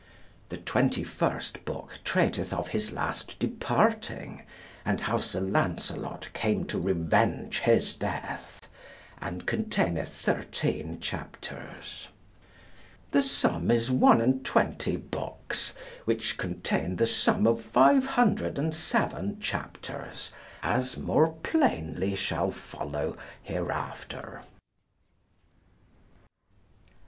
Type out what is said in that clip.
The twenty first book treateth of his last departing, and how Sir Lancelot came to revenge his death, and containeth 13 chapters. The sum is 21 books, which contain the sum of five hundred and seven chapters, as more plainly shall follow hereafter.